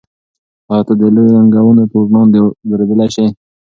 آیا ته د لویو ننګونو پر وړاندې درېدلی شې؟